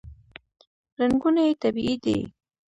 رنګونه یې طبیعي دي.